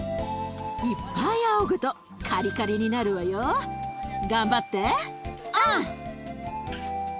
いっぱいあおぐとカリカリになるわよ。頑張って！